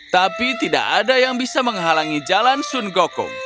tapi tidak ada yang bisa menghalangi jalan sun gokong